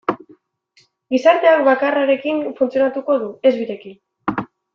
Gizarteak bakarrarekin funtzionatuko du, ez birekin.